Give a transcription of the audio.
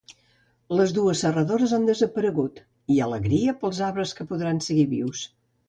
Les dues serradores han desaparegut i alegria pels arbres que podran seguir vius